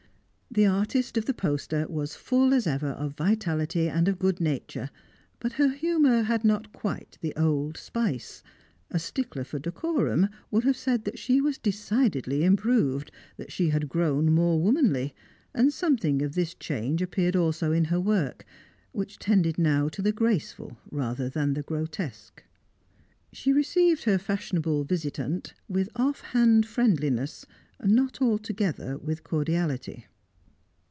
The artist of the poster was full as ever of vitality and of good nature, but her humour had not quite the old spice; a stickler for decorum would have said that she was decidedly improved, that she had grown more womanly; and something of this change appeared also in her work, which tended now to the graceful rather than the grotesque. She received her fashionable visitant with off hand friendliness, not altogether with cordiality.